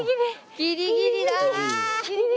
ギリギリだ。